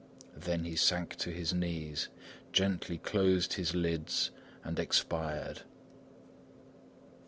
Then he sank on his knees, gently closed his lids and expired.